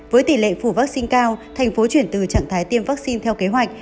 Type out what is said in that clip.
với tỷ lệ phủ vaccine cao thành phố chuyển từ trạng thái tiêm vaccine theo kế hoạch